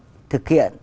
quản lý thực hiện